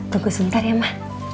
tunggu sebentar ya ma